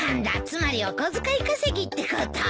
つまりお小遣い稼ぎってこと？